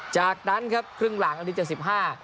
จากนั้นครับครึ่งหลังอันนี้จะ๑๕